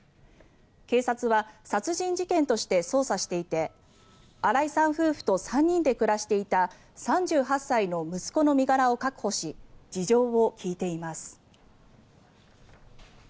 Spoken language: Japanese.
警察は殺人事件として捜査していて新井さん夫婦と３人で暮らしていた３８歳の息子の身柄を確保し事情を聴いています。